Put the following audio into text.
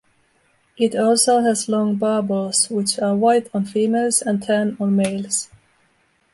It also has long barbels, which are white on females and tan on males.